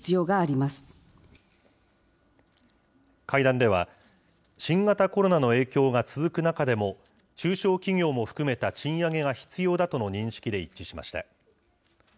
会談では、新型コロナの影響が続く中でも、中小企業も含めた賃上げが必要だとの認識で一致しました。